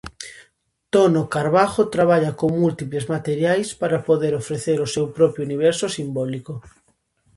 Tono Carbajo traballa con múltiples materiais para poder ofrecer o seu propio universo simbólico.